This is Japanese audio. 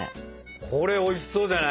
これおいしそうじゃない？